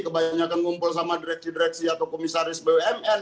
kebanyakan ngumpul sama direksi direksi atau komisaris bumn